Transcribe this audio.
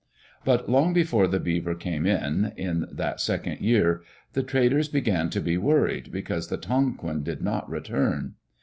But long before the Beaver came in, in that second year, the traders began to be worried because the Tonquin did not return.